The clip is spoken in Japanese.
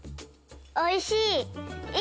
おいしい！